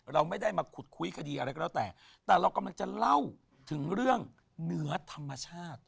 เราไม่ได้มาขุดคุยคดีอะไรก็แล้วแต่แต่เรากำลังจะเล่าถึงเรื่องเหนือธรรมชาติ